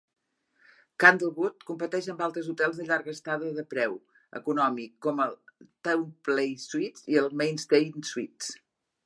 Candlewood competeix amb altres hotels de llarga estada de preu econòmic, com el TownePlace Suites i el Mainstay Suites.